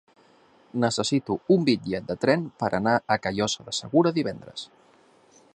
Necessito un bitllet de tren per anar a Callosa de Segura divendres.